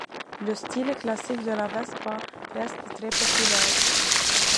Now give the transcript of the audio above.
Le style classique de la Vespa reste très populaire.